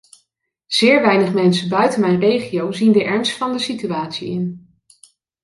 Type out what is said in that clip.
Zeer weinig mensen buiten mijn regio zien de ernst van de situatie in.